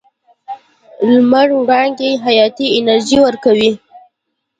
لمر وړانګې حیاتي انرژي ورکوي.